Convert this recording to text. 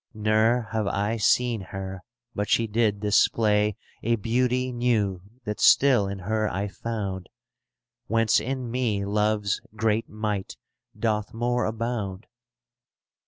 "" Ne'er have I seen her but she did display A beauty new that still in her I found. Whence in me Love's great might doth more abound.